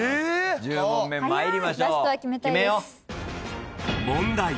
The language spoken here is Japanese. １０問目参りましょう。